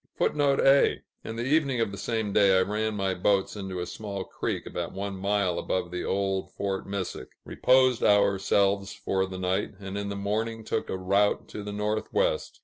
[Footnote A: "In the evening of the same day I ran my Boats into a small Creek about one mile above the old Fort Missack; Reposed ourselves for the night, and in the morning took a Rout to the Northwest."